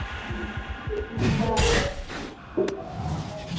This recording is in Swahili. tunatarajia kushuhudia maandamano zaidi ya hayo